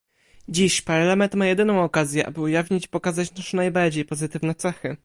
Dziś Parlament ma jedyną okazję, aby ujawnić i pokazać nasze najbardziej pozytywne cechy